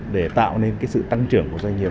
để tạo nên sự tăng trưởng của doanh nghiệp